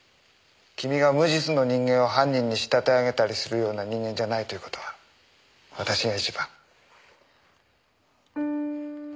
君が無実の人間を犯人に仕立て上げたりするような人間じゃないという事は私が一番。